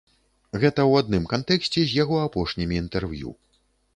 Гэта ў адным кантэксце з яго апошнімі інтэрв'ю.